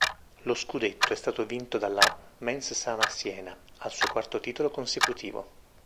Lo scudetto è stato vinto della Mens Sana Siena, al suo quarto titolo consecutivo.